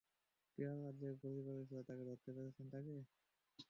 Poirot, যে গুলি করেছিল ধরতে পেরেছেন তাকে?